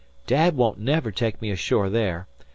"Dad won't never take me ashore there.